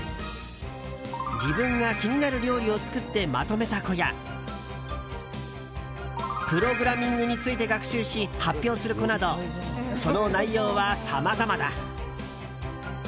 自分が気になる料理を作ってまとめた子やプログラミングについて学習し発表する子などその内容はさまざまだ。